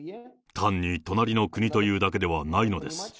単に隣の国というだけではないのです。